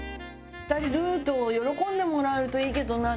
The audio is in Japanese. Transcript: ２人にルートを喜んでもらえるといいけどな。